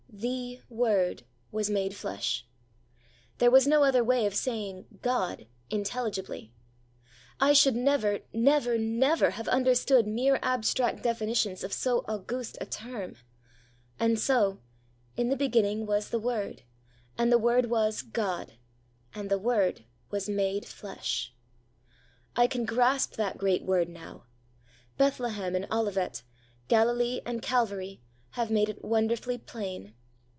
'The Word was made flesh.' There was no other way of saying GOD intelligibly. I should never, never, never have understood mere abstract definitions of so august a term. And so 'In the beginning was the Word, and the Word was GOD, and the Word was made flesh.' I can grasp that great word now. Bethlehem and Olivet, Galilee and Calvary, have made it wonderfully plain.